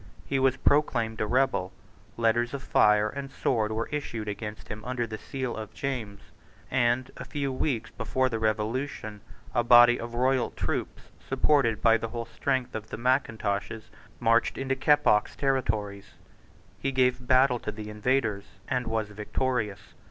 He was proclaimed a rebel: letters of fire and sword were issued against him under the seal of James; and, a few weeks before the Revolution, a body of royal troops, supported by the whole strength of the Mackintoshes, marched into Keppoch's territories. He gave battle to the invaders, and was victorious.